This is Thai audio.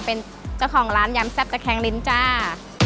เป็นเจ้าของร้านยำแซ่บตะแคงลิ้นจ้า